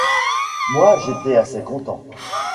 Moi, j'étais assez content.